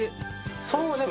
そうね。